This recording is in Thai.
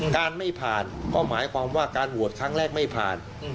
การไม่ผ่านก็หมายความว่าการโหวตครั้งแรกไม่ผ่าน